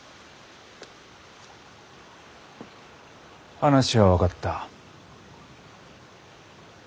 話は分かった。